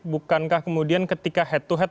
bukankah kemudian ketika head to head